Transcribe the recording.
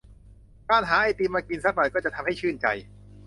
การหาไอติมมากินสักหน่อยก็จะทำให้ชื่นใจ